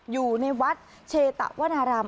อยู่ในวัดเชตะวนาราม